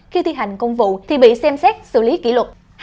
khi thi hành công vụ thì bị xem xét xử lý kỷ luật